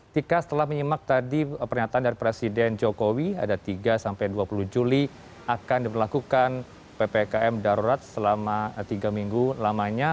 tika setelah menyimak tadi pernyataan dari presiden jokowi ada tiga sampai dua puluh juli akan diberlakukan ppkm darurat selama tiga minggu lamanya